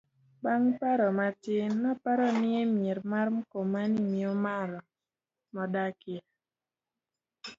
bang' paro matin, noparo ni e mier mar Mkomani miyo maro nodakie